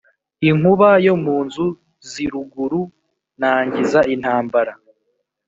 Inkuba yo mu z'i Ruguru nangiza intambara